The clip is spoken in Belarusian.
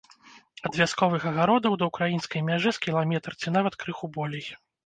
Ад вясковых агародаў да ўкраінскай мяжы з кіламетр ці нават крыху болей.